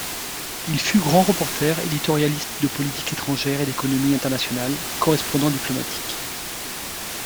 Il fut grand reporter, éditorialiste de politique étrangère et d'économie internationale, correspondant diplomatique.